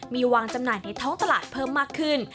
มีวางจำหน่ายในท้องตลาดเพิ่มมากขึ้น